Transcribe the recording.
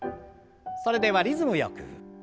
それではリズムよく。